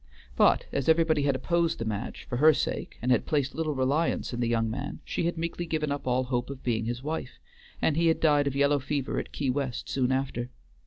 But as everybody had opposed the match, for her sake, and had placed little reliance in the young man, she had meekly given up all hope of being his wife, and he had died of yellow fever at Key West soon after.